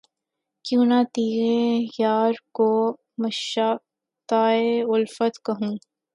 کیوں نہ تیغ یار کو مشاطۂ الفت کہوں